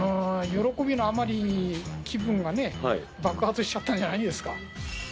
喜びのあまりに、気分がね、爆発しちゃったんじゃないんですか？